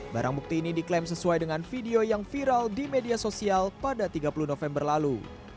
barang bukti ini diklaim sesuai dengan video yang viral di media sosial pada tiga puluh november lalu